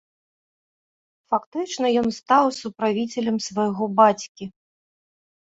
Фактычна ён стаў суправіцелем свайго бацькі.